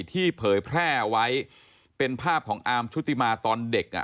ที่เผยแพร่ไว้เป็นภาพของอามชุติมาตอนเด็ก